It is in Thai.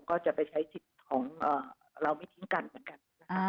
ก็จะไปใช้สิทธิ์ของเราไม่ทิ้งกันเหมือนกันนะคะ